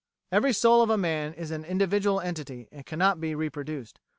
Every soul of man is an individual entity and cannot be reproduced.